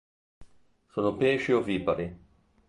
Sono pesci ovipari.